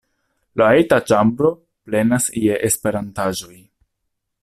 La eta ĉambro plenas je Esperantaĵoj.